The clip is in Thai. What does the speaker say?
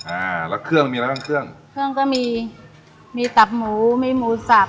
อ่าแล้วเครื่องมีอะไรบ้างเครื่องเครื่องก็มีมีตับหมูมีหมูสับ